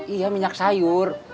iya minyak sayur